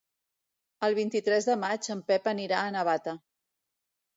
El vint-i-tres de maig en Pep anirà a Navata.